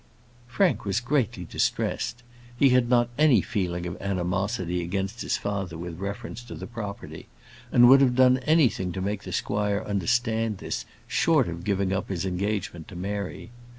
Frank was greatly distressed. He had not any feeling of animosity against his father with reference to the property, and would have done anything to make the squire understand this, short of giving up his engagement to Mary.